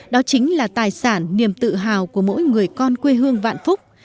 đó chính là tài sản niềm tự hào của mỗi người con quê hương vạn phúc